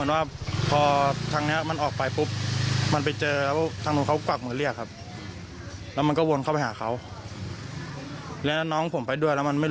ปกติเขาอยู่บนบ้านครับที่ผมเห็นนะ